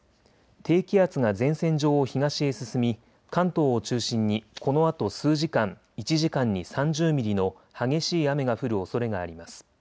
低気圧が前線上を東へ進み関東を中心にこのあと数時間、１時間に３０ミリの激しい雨が降るおそれがあります。